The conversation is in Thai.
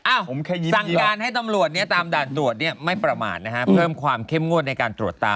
อ้าวสั่งงานให้ตำรวจตามด่านตรวจไม่ประมาณนะฮะเพิ่มความเข้มงวดในการตรวจตา